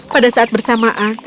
pada saat bersamaan